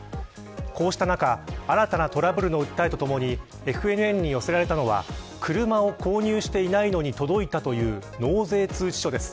こうした中、新たなトラブルの訴えとともにＦＮＮに寄せられたのは車を購入していないのに届いたという納税通知書です。